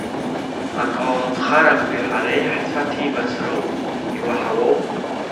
Аколнхарақәеи ҳареи ҳцәа ҭибацароуп, иуаҳауоу?